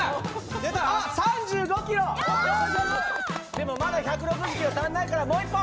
でもまだ１６０キロに足りないからもう一本！